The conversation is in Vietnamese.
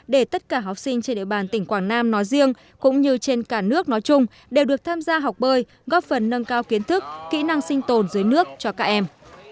để tất cả học sinh trên địa bàn tỉnh quảng nam nói riêng cũng như trên cả nước nói chung đều được tham gia học bơi góp phần nâng cao kiến thức kỹ năng sinh tồn dưới nước cho các em